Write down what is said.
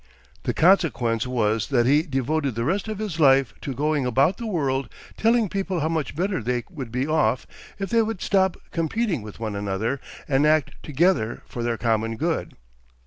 The consequence was that he devoted the rest of his life to going about the world telling people how much better they would be off if they would stop competing with one another, and act together for their common good.